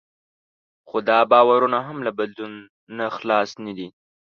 خو دا باورونه هم له بدلون نه خلاص نه دي.